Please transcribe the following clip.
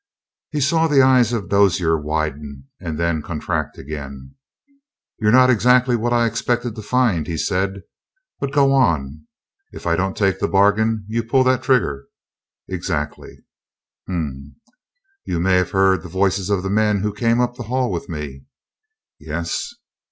He saw the eyes of Dozier widen and then contract again. "You're not exactly what I expected to find," he said. "But go on. If I don't take the bargain you pull that trigger?" "Exactly." "H'm! You may have heard the voices of the men who came up the hall with me?" "Yes."